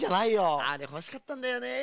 あれほしかったんだよね。